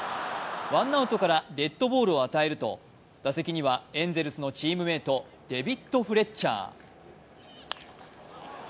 ワンアウトからデッドボールを与えると、打席にはエンゼルスのチームメート、デビッド・フレッチャー。